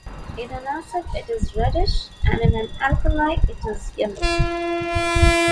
In an acid, it is reddish and in alkali, it is yellow.